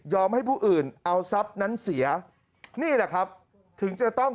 ให้ผู้อื่นเอาทรัพย์นั้นเสียนี่แหละครับถึงจะต้อง